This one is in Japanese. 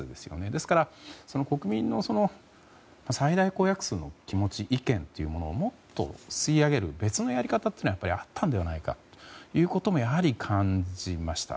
ですから、国民の最大公約数の気持ち、意見というものをもっと吸い上げる別のやり方があったのではないかということもやはり、感じました。